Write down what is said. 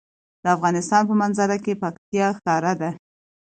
د افغانستان په منظره کې پکتیا ښکاره ده.